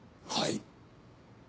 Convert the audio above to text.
はい。